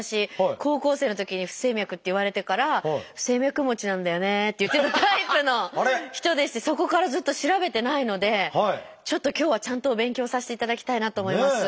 高校生のときに不整脈って言われてから「不整脈持ちなんだよね」って言ってたタイプの人でしてそこからずっと調べてないのでちょっと今日はちゃんとお勉強させていただきたいなと思います。